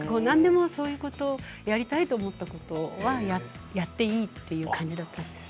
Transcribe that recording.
何でも、やりたいと思ったことはやっていいという感じだったんです。